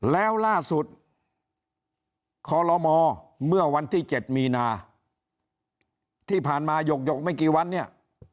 แล้วล่าสุดคอลโลมเมื่อวันที่๗มีนาที่ผ่านมาหยกไม่กี่วันเนี่ย